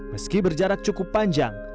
meski berjarak cukup panjang